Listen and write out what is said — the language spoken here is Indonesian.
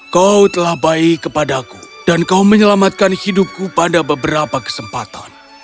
kau telah baik kepadaku dan kau menyelamatkan hidupku pada beberapa kesempatan